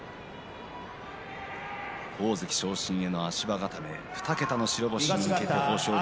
大関昇進への足場固め２桁の白星に向けた豊昇龍